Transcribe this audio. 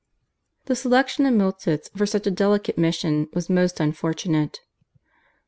The selection of Miltitz for such a delicate mission was most unfortunate.